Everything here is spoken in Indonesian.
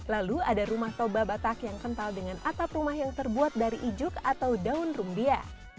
lalu ada rumah toba batak yang kental dengan atap rumah yang terbuat dari ijuk atau daun rumbia